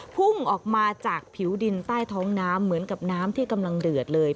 พุ่งออกมาจากผิวดินใต้ท้องน้ำเหมือนกับน้ำที่กำลังเดือดเลย